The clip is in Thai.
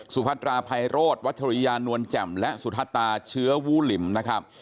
สุพัตราไพโรดวัตถุริยานวลแจ่มและสุทธาตาเชื้อวู้หลิมนะครับ